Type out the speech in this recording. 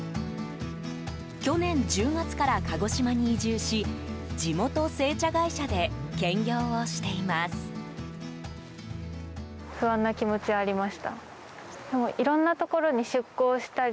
去年１０月から鹿児島に移住し地元製茶会社で兼業をしています。